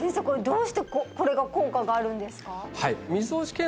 これどうしてこれが効果があるんですか？